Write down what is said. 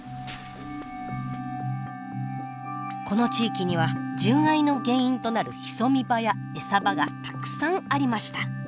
この地域には獣害の原因となる潜み場やえさ場がたくさんありました。